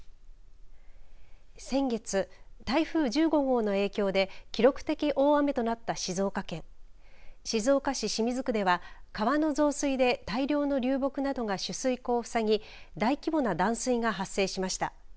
先月台風１５号の影響で記録的大雨となった静岡県静岡市清水区では川の増水で大量の流木などが取水口を塞ぎ大規模な断水が発生しました。